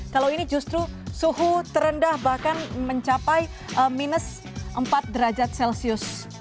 kalau ini justru suhu terendah bahkan mencapai minus empat derajat celcius